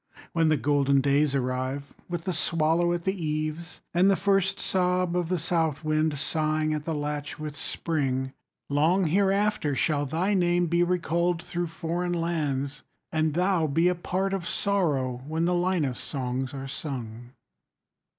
When the golden days arrive, With the swallow at the eaves, And the first sob of the south wind Sighing at the latch with spring, 40 Long hereafter shall thy name Be recalled through foreign lands, And thou be a part of sorrow When the Linus songs are sung.